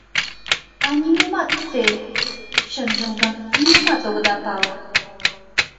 А нимомат те... чынжым гын, нимомат огыда пале!